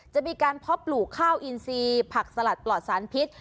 จะมีการเพาะปลูกข้าวอินซีผักสลัดปลอดสารพิษ